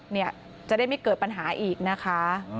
เนี่ยจะได้ไม่เกิดปัญหาอีกนะคะ